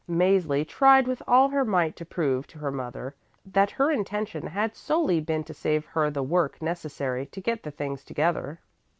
Mäzli tried with all her might to prove to her mother that her intention had solely been to save her the work necessary to get the things together.